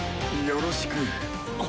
よろしく。